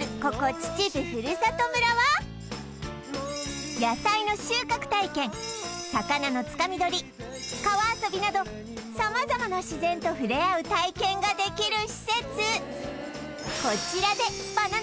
秩父ふるさと村は野菜の収穫体験川遊びなど様々な自然と触れ合う体験ができる施設